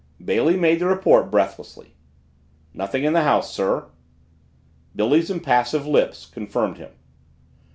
Bailey made his report breathlessly. "Nothing in the house, sir." Billy's impassive lips confirmed him.